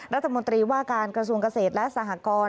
รัฐมนตรีว่าการกระทรวงเกษตรและสหกร